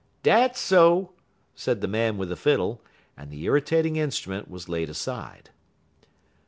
"Dat's so," said the man with the fiddle, and the irritating instrument was laid aside.